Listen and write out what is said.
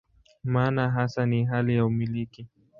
Maana hasa ni hali ya "umiliki".